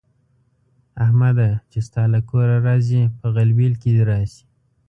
احمده! چې ستا له کوره راځي؛ په غلبېل کې دې راشي.